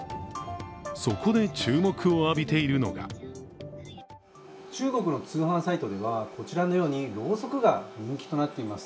そこで注目を浴びているのが中国の通販サイトではこちらのようにろうそくが人気となっています。